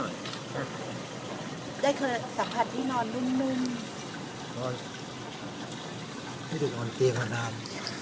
ไม่ถึงนอนเกลียงมานาน